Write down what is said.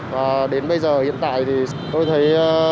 và đến bây giờ hiện tại thì tôi thấy